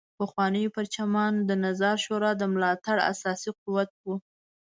پخوا پرچمیان د نظار شورا د ملاتړ اساسي قوت وو.